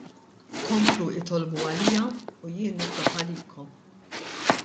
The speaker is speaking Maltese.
Komplu itolbu għalija u jien nitlob għalikom.